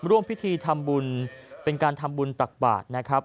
ร่วมพิธีทำบุญเป็นการทำบุญตักบาทนะครับ